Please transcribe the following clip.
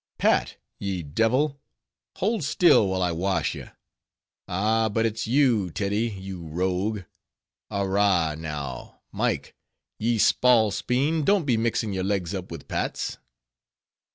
"Pat, ye divil, hould still while I wash ye. Ah! but it's you, Teddy, you rogue. Arrah, now, Mike, ye spalpeen, don't be mixing your legs up with Pat's."